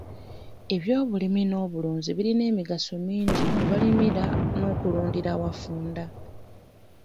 Eby'obulimi n'obulunzi birina emigaso mingi ku balimira n'okulundira awafunda.